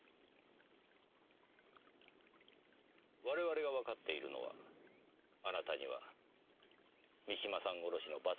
我々がわかっているのはあなたには三島さん殺しの罰が下るということです。